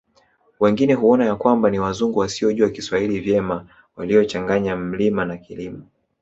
Wengine huona ya kwamba ni Wazungu wasiojua Kiswahili vema waliochanganya mlima na Kilima